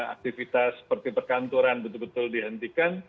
aktivitas seperti perkantoran betul betul dihentikan